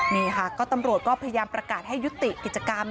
นี่ค่ะก็ตำรวจก็พยายามประกาศให้ยุติกิจกรรม